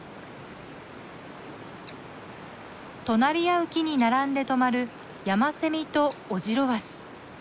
隣り合う木に並んで止まるヤマセミとオジロワシ。